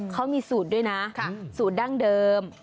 เขามีสูตรด้วยนะสูตรดั้งเดิม